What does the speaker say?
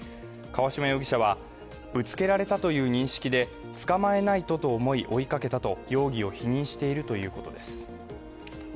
川島容疑者はぶつけられたという認識で捕まえないとと重い追いかけたと容疑を否認しているということです。